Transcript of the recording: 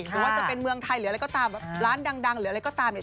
หรือว่าจะเป็นเมืองไทยหรืออะไรก็ตามร้านดังหรืออะไรก็ตามเนี่ย